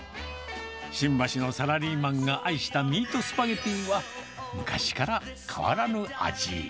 新橋のサラリーマンが愛したミートスパゲティーは、昔から変わらぬ味。